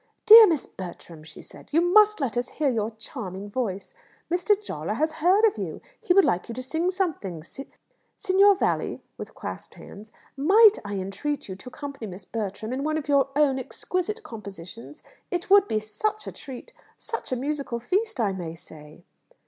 "Dear Miss Bertram," she said, "you must let us hear your charming voice. Mr. Jawler has heard of you. He would like you to sing something. Signor Valli," with clasped hands, "might I entreat you to accompany Miss Bertram in one of your own exquisite compositions? It would be such a treat such a musical feast, I may say!"